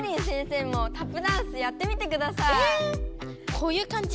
こういうかんじ？